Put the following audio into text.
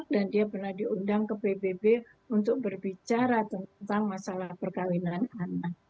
dan dia pernah diundang ke pbb untuk berbicara tentang masalah perkawinan anak